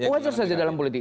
wajar saja dalam politik